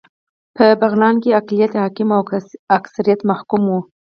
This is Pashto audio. په بغلان کې اقليت حاکم او اکثريت محکوم و